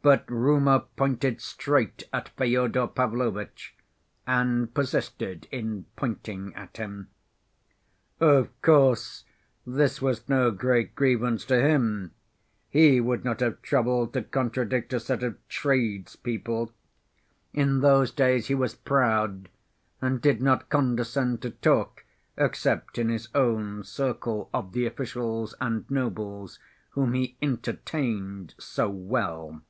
But rumor pointed straight at Fyodor Pavlovitch, and persisted in pointing at him. Of course this was no great grievance to him: he would not have troubled to contradict a set of tradespeople. In those days he was proud, and did not condescend to talk except in his own circle of the officials and nobles, whom he entertained so well.